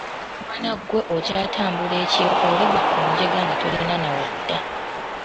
Mwana ggwe okyatambula ekiro oligwa ku njega nga tolina na wodda.